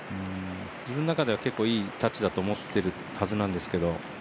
自分の中では結構いいタッチだと思ってるはずなんですけど。